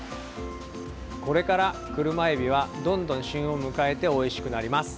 これからクルマエビはどんどん旬を迎えておいしくなります。